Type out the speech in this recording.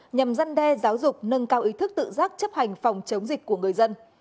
nhằm gian đe giáo dục nâng cao ý thức tự giác chấp hành phòng chống dịch của người dân